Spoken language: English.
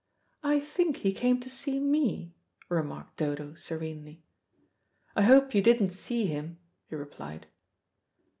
"I think he came to see me," remarked Dodo serenely. "I hope you didn't see him," he replied.